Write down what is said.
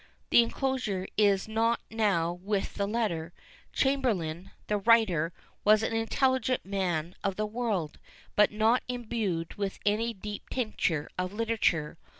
The enclosure is not now with the letter. Chamberlain, the writer, was an intelligent man of the world, but not imbued with any deep tincture of literature.